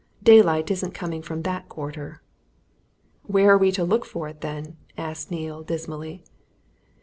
Daylight isn't coming from that quarter!" "Where are we to look for it, then?" asked Neale dismally.